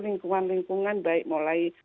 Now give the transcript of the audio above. lingkungan lingkungan baik mulai